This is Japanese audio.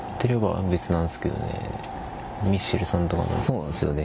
そうなんすよね。